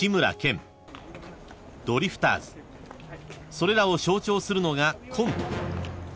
［それらを象徴するのがコント］